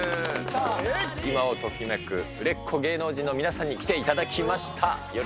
今をときめく売れっ子芸能人の皆さんに来ていただきました。